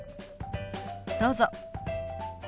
どうぞ。